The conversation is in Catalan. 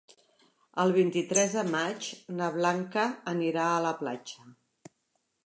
El vint-i-tres de maig na Blanca anirà a la platja.